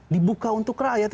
dibuka untuk rakyat